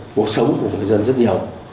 cuộc sống của người dân rất nhiều